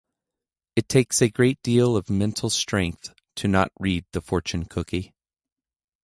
It takes a great deal of mental strength to not read the fortune cookie.